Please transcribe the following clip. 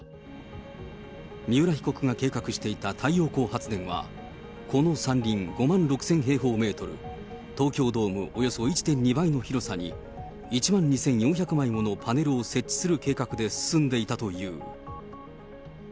三浦被告が計画していた太陽光発電は、この山林５万６０００平方メートル、東京ドームおよそ１．２倍の広さに、１万２４００枚ものパネルを設置する計画で進んでいたという。